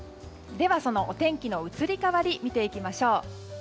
では、そのお天気の移り変わりを見ていきましょう。